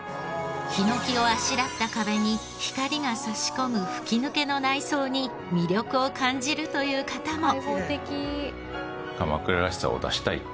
ヒノキをあしらった壁に光が差し込む吹き抜けの内装に魅力を感じるという方も。